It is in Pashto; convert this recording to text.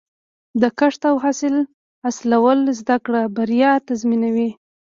د کښت او حاصل اصول زده کړه، بریا تضمینوي.